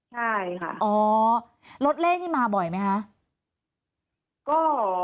ใช่ค่ะอ๋อรถเลขนี่มาบ่อยไหมคะ